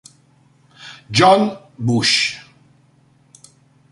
Jon Busch